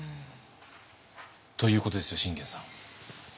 ということですよ信玄さん。